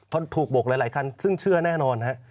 พอถูกโบกหลายคันซึ่งเชื่อแน่นอนฮะ